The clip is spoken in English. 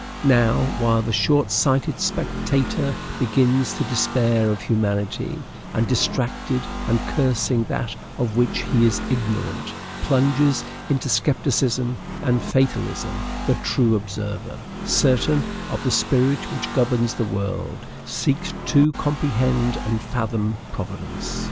Now, while the short sighted spectator begins to despair of humanity, and, distracted and cursing that of which he is ignorant, plunges into scepticism and fatalism, the true observer, certain of the spirit which governs the world, seeks to comprehend and fathom Providence.